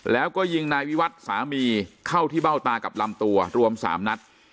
แล้วก็ยิงนายวิวัตรสามีเข้าที่เบ้าตากับลำตัวรวม๓นัด